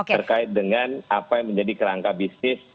terkait dengan apa yang menjadi kerangka bisnis